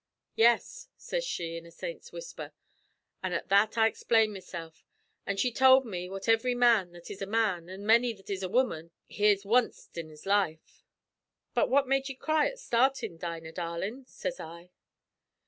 "'Yes,' sez she, in a saint's whisper; an' at that I explained mesilf; an' she tould me what ivry man that is a man, an' many that is a woman, hears wanst in his life. "'But what made ye cry at startin', Dinah, darlin'?' sez I.